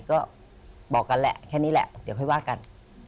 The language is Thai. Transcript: ก็บอกกันแหละแค่นี้แหละเดี๋ยวค่อยว่ากัน